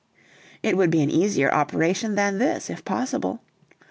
"It would be an easier operation than this, if possible.